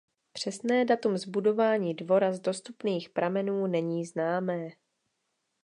Přesné datum zbudování dvora z dostupných pramenů není známé.